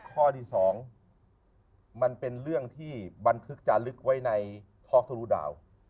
ข้อที่๒มันเป็นเรื่องที่บันทึกจาลึกไว้ในท็อกทะลุดาว